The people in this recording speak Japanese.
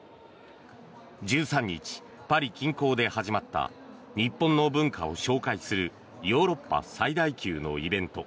１３日、パリ近郊で始まった日本の文化を紹介するヨーロッパ最大級のイベント